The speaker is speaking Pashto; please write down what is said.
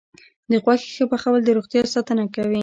د غوښې ښه پخول د روغتیا ساتنه کوي.